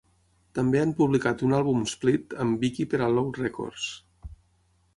També han publicat un àlbum split amb Viki per a Load Records.